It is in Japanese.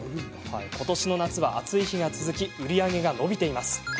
今回の夏は暑い日が続き売り上げが伸びています。